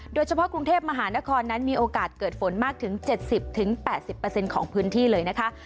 โดยเฉพาะกรุงเทพมหานครนั้นมีโอกาสเกิดฝนมากถึง๗๐๘๐ของพื้นที่เลยนะคะ